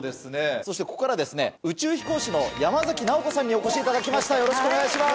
そしてここからは宇宙飛行士の山崎直子さんにお越しいただきましたよろしくお願いします。